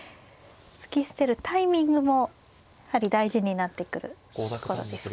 突き捨てるタイミングもやはり大事になってくるところですか。